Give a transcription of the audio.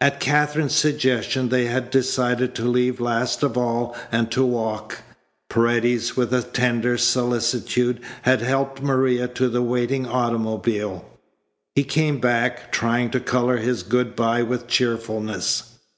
At Katherine's suggestion they had decided to leave last of all and to walk. Paredes with a tender solicitude had helped Maria to the waiting automobile. He came back, trying to colour his good bye with cheerfulness.